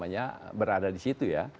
saya tidak berada di situ ya